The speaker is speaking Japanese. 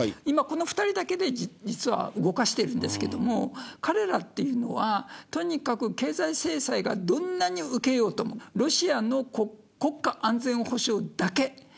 今、この２人だけで、実は動かしているんですけども彼らというのは、とにかく経済制裁がどんなに受けようともロシアの国家安全保障だけ。